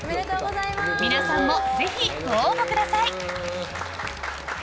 皆さんもぜひ、ご応募ください！